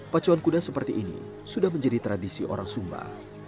pacuan kuda seperti ini sudah menjadi tradisi orang sumba